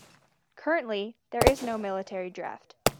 Currently, there is no military draft.